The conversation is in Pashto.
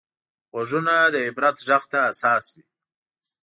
غوږونه د عبرت غږ ته حساس وي